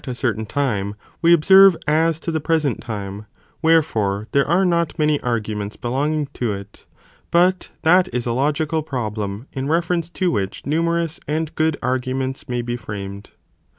a certain time, we observe as to the present time, wherefore there are not many arguments belonging to it, but that is a logical problem, in reference to which numerous and good arguments may be framed.